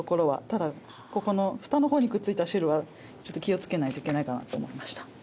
ただここの蓋の方にくっついた汁はちょっと気を付けないといけないかなと思いました。